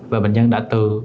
và bệnh nhân đã từ